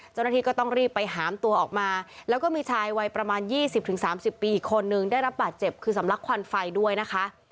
เจ้าหน้าที่ก็ต้องรีบไปหามตัวออกมาแล้วก็มีชายวัยประมาณ๒๐๓๐ปีอีกคนนึงได้รับบาดเจ็บคือสำลักควันไฟด้วยนะคะ